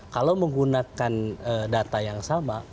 kalau menggunakan data yang sama